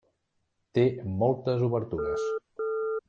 Té moltes obertures.